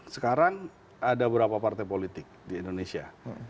sekarang ada berapa partai politik di indonesia